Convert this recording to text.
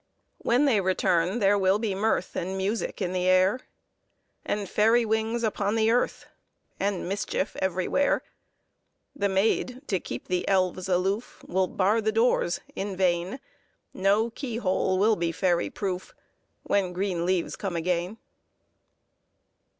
When they return, there will be mirth And music in the air, And fairy wings upon the earth, And mischief everywhere. The maids, to keep the elves aloof, Will bar the doors in vain ; No key hole will be fairy proof, When green leaves come again.